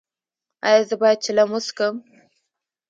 ایا زه باید چلم وڅکوم؟